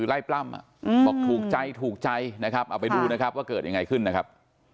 อาจจะถูกใจนะครับเอาไปดูนะครับว่าเกิดยังไงขึ้นนะครับ